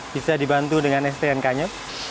bisa dibantu dengan stnk nya